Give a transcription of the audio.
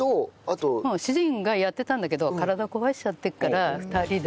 主人がやってたんだけど体を壊しちゃってから２人で。